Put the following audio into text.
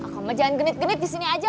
kamu jangan genit genit di sini aja